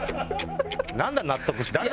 なんだ納得誰だ？